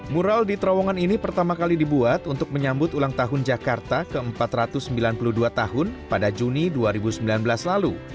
mural di terowongan ini pertama kali dibuat untuk menyambut ulang tahun jakarta ke empat ratus sembilan puluh dua tahun pada juni dua ribu sembilan belas lalu